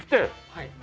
はい。